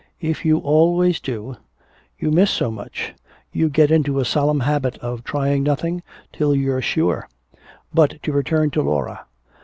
If you always do, you miss so much you get into a solemn habit of trying nothing till you're sure. But to return to Laura.